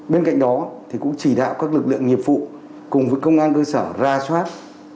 bên cạnh đó thì cũng chỉ đạo các lực lượng nghiệp vụ cùng với công an cơ sở ra soát